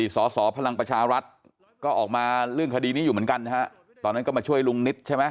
สสพลังประชารัฐก็ออกมาเรื่องคดีนี้อยู่เหมือนกันนะฮะตอนนั้นก็มาช่วยลุงนิดใช่ไหม